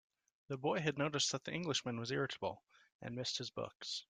The boy had noticed that the Englishman was irritable, and missed his books.